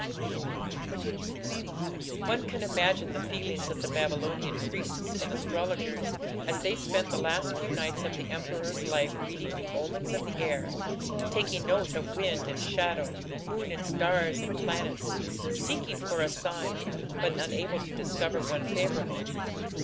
C. One can imagine the feelings of the Babylonian priests and astrologers as they spent the last few nights of the emperor's life reading "the omens of the air" taking note of wind and shadow, moon and stars and planets, seeking for a sign, but unable to discover one favourable.